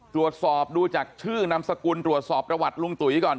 ตรวจสอบดูจากชื่อนามสกุลตรวจสอบประวัติลุงตุ๋ยก่อน